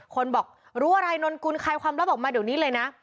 คนบอกรู้อะไรนนกุลคลายความลับออกมาเดี๋ยวนี้เลยนะ